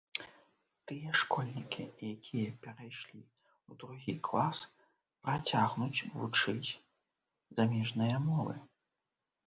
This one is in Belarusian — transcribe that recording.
Тыя школьнікі, якія перайшлі ў другі клас, працягнуць вучыць замежныя мовы.